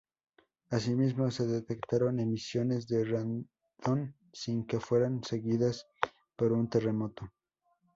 Asimismo, se detectaron emisiones de radón sin que fueran seguidas por un terremoto.